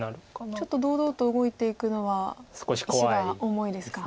ちょっと堂々と動いていくのは石が重いですか。